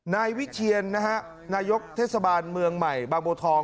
นายวิเทียนนะฮะนายกเทศบาลเมืองใหม่บางโบทอง